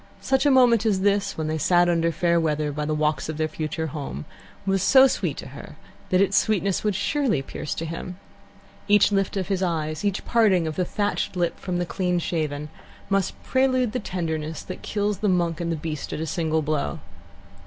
Such a moment as this, when they sat under fair weather by the walks of their future home, was so sweet to her that its sweetness would surely pierce to him. Each lift of his eyes, each parting of the thatched lip from the clean shaven, must prelude the tenderness that kills the Monk and the Beast at a single blow.